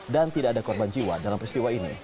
dan tidak ada korban jiwa dalam peristiwa ini